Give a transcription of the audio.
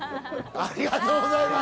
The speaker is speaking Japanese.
ありがとうございます！